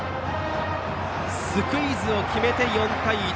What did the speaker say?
スクイズを決めて４対１。